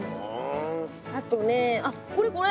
あとねあっこれこれ。